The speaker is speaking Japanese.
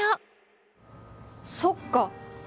そっか。